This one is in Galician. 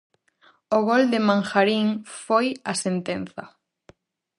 O gol de Manjarín foi a sentenza.